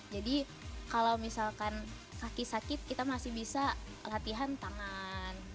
jadi kalau misalkan kaki sakit kita masih bisa latihan tangan